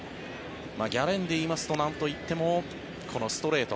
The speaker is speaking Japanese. ギャレンで言いますとなんといってもこのストレート。